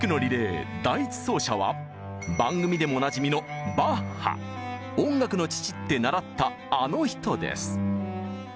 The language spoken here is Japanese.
番組でもおなじみの「音楽の父」って習ったあの人です。